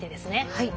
はい。